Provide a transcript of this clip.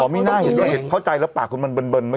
อ๋อไม่น่าก็เข้าใจแล้วปากมันมันเบินเบิน